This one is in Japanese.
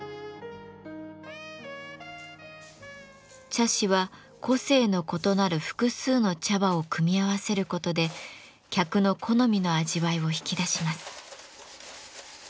茶師は個性の異なる複数の茶葉を組み合わせることで客の好みの味わいを引き出します。